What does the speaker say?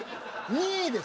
２位です。